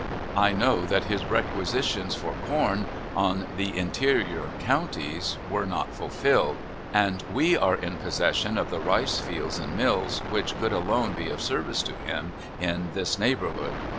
I know that his requisitions for corn on the interior counties were not filled, and we are in possession of the rice fields and mills, which could alone be of service to him in this neighborhood.